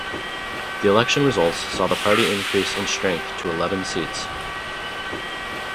The election results saw the party increase in strength to eleven seats.